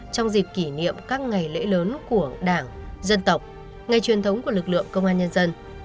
trong dịp kỷ niệm các ngày lễ lớn của đảng dân tộc ngày truyền thống của lực lượng công an nhân dân